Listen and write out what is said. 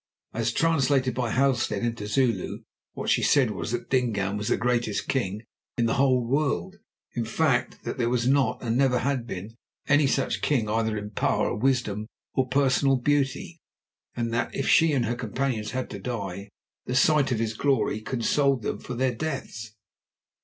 As translated by Halstead into Zulu, what she said was that Dingaan was the greatest king in the whole world; in fact, that there was not, and never had been, any such a king either in power, wisdom, or personal beauty, and that if she and her companions had to die, the sight of his glory consoled them for their deaths.